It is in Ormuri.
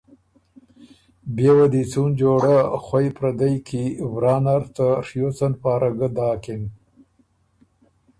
بيې وه دی څُون جوړۀ خوئ پردئ کی ورا نر ته ڒیوڅن پاره ګۀ داکِن۔